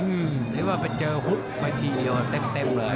เห็นว่าไปเจอฮุบไปทีเดียวเต็มเลย